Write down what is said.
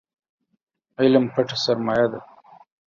علم پټه سرمايه ده